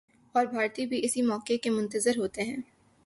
اور بھارتی بھی اسی موقع کے منتظر ہوتے ہیں۔